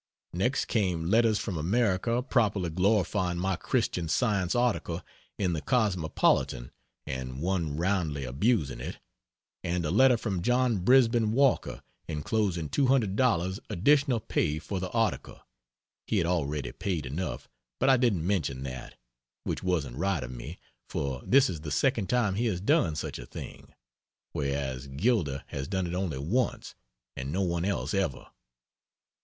Next came letters from America properly glorifying my Christian Science article in the Cosmopolitan (and one roundly abusing it,) and a letter from John Brisben Walker enclosing $200 additional pay for the article (he had already paid enough, but I didn't mention that which wasn't right of me, for this is the second time he has done such a thing, whereas Gilder has done it only once and no one else ever.)